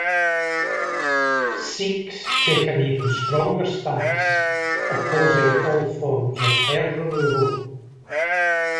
Sikhs take an even stronger stance, opposing all forms of hair removal.